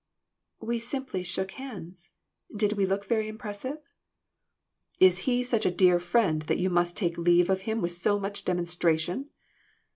"We simply shook hands. Did we look very impressive ?"" Is he such a dear friend that you must take leave of him with so much demonstration